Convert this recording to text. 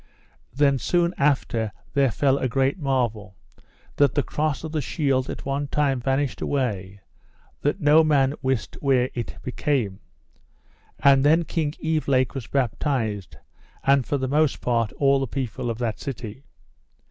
Then soon after there fell a great marvel, that the cross of the shield at one time vanished away that no man wist where it became. And then King Evelake was baptised, and for the most part all the people of that city.